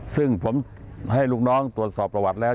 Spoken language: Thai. ซึ่งผมให้ลูกน้องตรวจสอบประวัติแล้ว